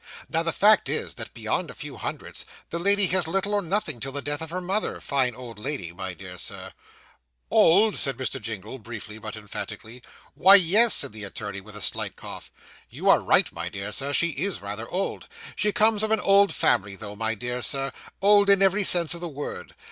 'Now, the fact is, that beyond a few hundreds, the lady has little or nothing till the death of her mother fine old lady, my dear Sir.' 'Old,' said Mr. Jingle briefly but emphatically. 'Why, yes,' said the attorney, with a slight cough. 'You are right, my dear Sir, she is rather old. She comes of an old family though, my dear Sir; old in every sense of the word.